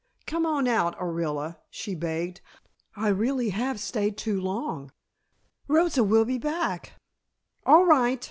"Come on out, Orilla," she begged. "I really have stayed too long. Rosa will be back " "All right.